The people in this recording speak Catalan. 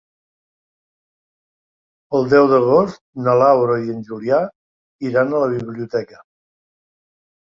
El deu d'agost na Laura i en Julià iran a la biblioteca.